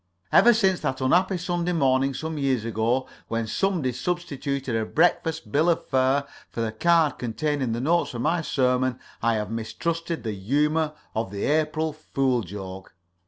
Ever since that unhappy Sunday morning some years ago when somebody substituted a breakfast bill of fare for the card containing the notes for my sermon, I have mistrusted the humor of the April fool joke.